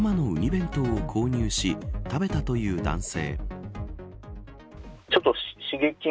弁当を購入し食べたという男性。